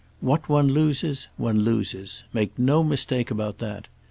What one loses one loses; make no mistake about that.